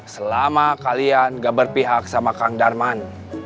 selama kalian gak berpihak sama kang darman